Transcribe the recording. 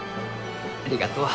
ありがとう。